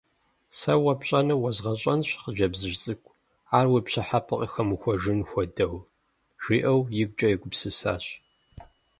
Сэ уэ пщӏэнур уэзгъэщӏэнщ, хъыджэбзыжь цӏыкӏу, ар уи пщӏыхьэпӏэ къыхэмыхуэжын хуэдэу,— жиӏэу игукӏэ егупсысащ.